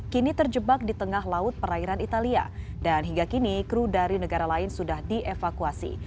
kini terjebak di tengah laut perairan italia dan hingga kini kru dari negara lain sudah dievakuasi